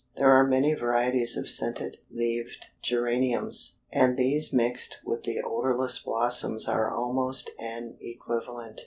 There are many varieties of scented leaved geraniums, and these mixed with the odorless blossoms are almost an equivalent.